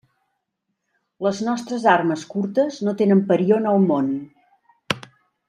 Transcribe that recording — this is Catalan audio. Les nostres armes curtes no tenen parió en el món.